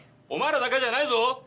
お前らだけじゃないぞ。